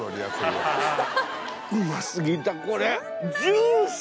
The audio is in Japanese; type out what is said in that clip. うま過ぎだこれ。